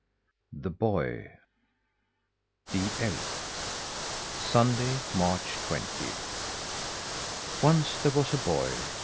THE BOY THE ELF Sunday, March twentieth. Once there was a boy.